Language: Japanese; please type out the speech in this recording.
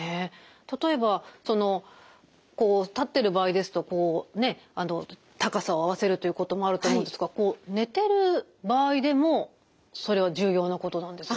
例えばそのこう立ってる場合ですとこうね高さを合わせるということもあると思うんですがこう寝てる場合でもそれは重要なことなんですよね。